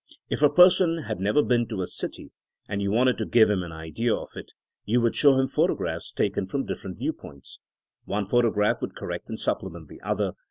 If a person had never been to a city and you wanted to give him an idea of it, you would show him photographs taken from different viewpoints. One photograph would correct and supplement the oth3r.